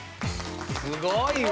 すごいわ。